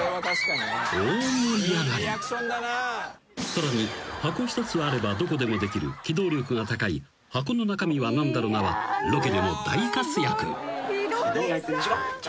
［さらに箱一つあればどこでもできる機動力が高い「箱の中身はなんだろな？」はロケでも大活躍］